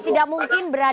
tidak mungkin berhasil